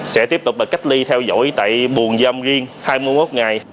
sẽ tiếp tục cách ly theo dõi tại buồn dâm riêng hai mươi một ngày